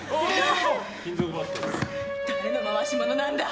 誰の回し者なんだ！